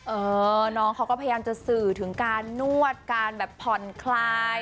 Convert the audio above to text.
เออน้องเขาก็พยายามจะสื่อถึงการนวดการแบบผ่อนคลาย